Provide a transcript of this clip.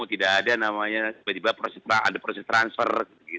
tidak ada namanya tiba tiba ada proses transfer